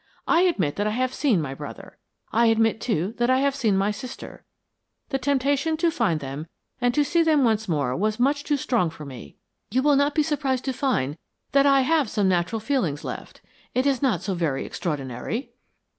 I admit that I have seen my brother. I admit, too, that I have seen my sister; the temptation to find them and see them once more was too strong for me. You will not be surprised to find that I have some natural feelings left. It is not so very extraordinary."